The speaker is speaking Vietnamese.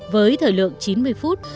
với thời lượng chín mươi phút